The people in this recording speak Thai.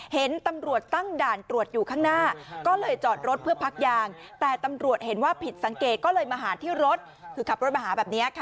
เห็นตำรวจตั้งด่านตรวจอยู่ข้างหน้าก็เลยจอดรถเพื่อพักยางแต่ตำรวจเห็นว่าผิดสังเกตก็เลยมาหาที่รถคือขับรถมาหาแบบนี้ค่ะ